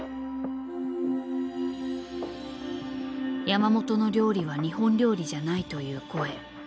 「山本の料理は日本料理じゃない」という声。